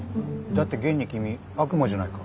だって現に君悪魔じゃないか。